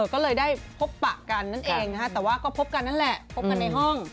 ก็เลยได้พบปะกันนั่นเองแต่ว่าก็พบกันนั่นแหละพบกันในห้อง